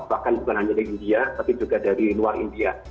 bahkan bukan hanya dari india tapi juga dari luar india